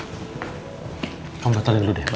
kamu batalkan dulu deh